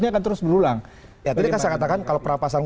dan juga untuk kemampuan